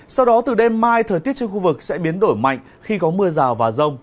sau đó từ đêm mai thời tiết trên khu vực sẽ biến đổi mạnh khi có mưa rào và rông